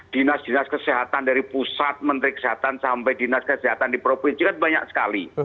dinas dinas kesehatan dari pusat menteri kesehatan sampai dinas kesehatan di provinsi kan banyak sekali